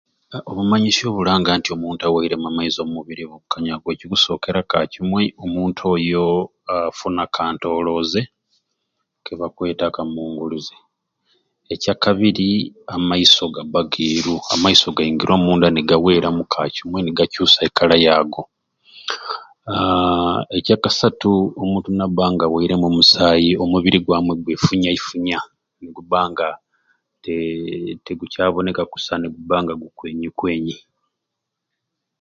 Obumanyisyo obulanga nti omuntu awaireemu amaizi bukanyaku okusokeera kimwei omuntu oyo afuna akantolooze kebakweta akamunguluze, ekyakabiri amaiso gaba geeru amaiso gaingiira omunda nigaweramu kacumwei nigacusa ekala yago ahhh ekyakasatu omuntu nabanga awaireemu omusai omubiri gwamwei gwefunya ifunya nigubangaa tigukyaboneka kusai nigubangaa gukwenyikwenyi.